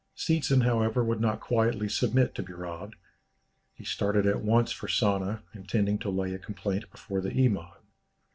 Seetzen, however, would not quietly submit to be robbed. He started at once for Sana, intending to lay a complaint before the Iman.